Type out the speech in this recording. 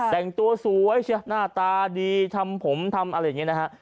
แต่งตัวสวยเชียวหน้าตาดีทำผมทำอะไรอย่างนี้นะฮะ